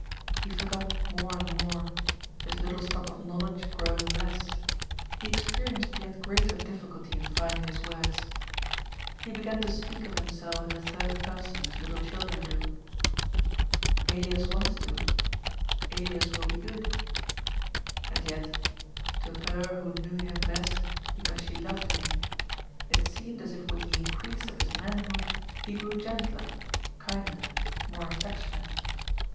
He forgot more and more, his little stock of knowledge growing less — he experienced yet greater difiUculty in finding his words. He began to speak of himself iu the third person, as little children do :" Elias wants to," " Elias will be good." And yet — to her who knew him best because she loved him, it seemed as if with the increase of his manhood he grew gentler, kinder, more affectionate.